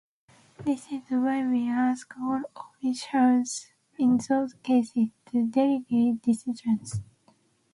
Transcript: This is why we ask all officials in those cases to delegate decisions.